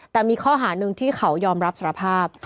แต่มีข้อหาหนึ่งที่เขายอมรับสารภาพ